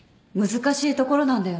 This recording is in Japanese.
難しいところなんだよね。